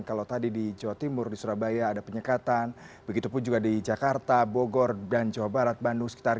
kalau tadi di jawa timur di surabaya ada penyekatan begitu pun juga di jakarta bogor dan jawa barat bandung sekitar